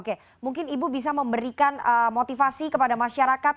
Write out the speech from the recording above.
oke mungkin ibu bisa memberikan motivasi kepada masyarakat